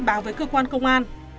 họ khai báo với cơ quan công an